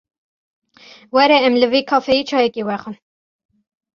Were em li vê kafeyê çayekê vexwin.